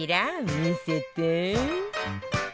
見せて！